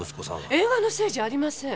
映画のせいじゃありません！